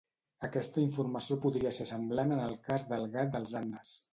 Aquesta informació podria ser semblant en el cas del gat dels Andes.